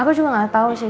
aku juga nggak tau sih